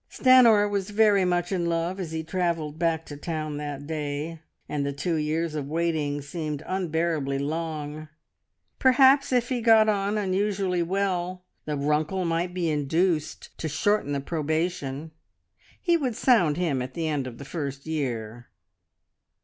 Stanor was very much in love as he travelled back to town that day, and the two years of waiting seemed unbearably long. Perhaps, if he got on unusually well, the Runkle might be induced to shorten the probation. He would sound him at the end of the first year.